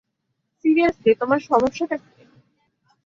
Seriously, তোমার সমস্যাটা কী?